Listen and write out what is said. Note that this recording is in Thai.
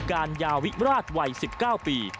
โปรดติดตามต่อไป